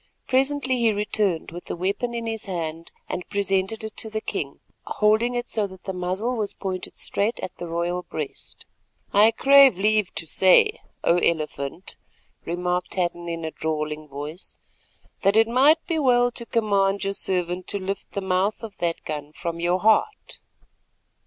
Presently he returned with the weapon in his hand and presented it to the king, holding it so that the muzzle was pointed straight at the royal breast. "I crave leave to say, O Elephant," remarked Hadden in a drawling voice, "that it might be well to command your servant to lift the mouth of that gun from your heart."